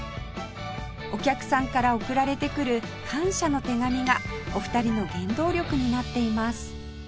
お客さんから送られてくる感謝の手紙がお二人の原動力になっています